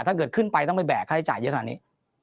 ถ้าเกิดขึ้นไปต้องไปแบกค่าใช้จ่ายเยอะขนาดนี้